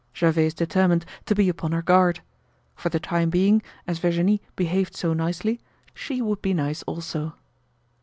Gervaise determined to be upon her guard. For the time being, as Virginie behaved so nicely, she would be nice also.